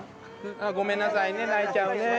ごめんなさいね、泣いちゃうね。